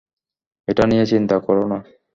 এটা নিয়ে চিন্তা কোরো না।